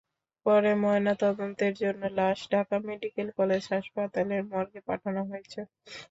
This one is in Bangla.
পরে ময়নাতদন্তের জন্য লাশ ঢাকা মেডিকেল কলেজ হাসপাতালের মর্গে পাঠানো হয়েছে।